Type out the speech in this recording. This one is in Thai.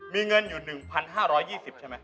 มีเงินอยู่๑๕๒๐ใช่ไหม